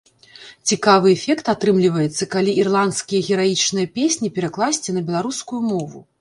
Цікавы эфект атрымліваецца, калі ірландскія гераічныя песні перакласці на беларускую мову.